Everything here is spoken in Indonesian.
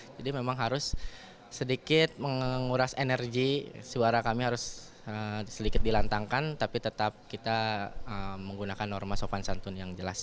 jadi memang harus sedikit menguras energi suara kami harus sedikit dilantangkan tapi tetap kita menggunakan norma sopan santun yang jelas